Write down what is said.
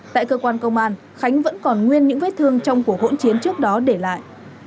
tại cơ quan công an khánh vẫn còn nguyên những vết thương trong cuộc hỗn chiến trước đó để lại